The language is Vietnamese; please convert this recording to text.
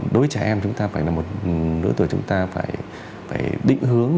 đối với trẻ em chúng ta phải là một nửa tuổi chúng ta phải định hướng